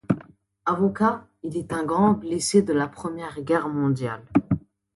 Avocat, il est un grand blessé de la première guerre mondiale.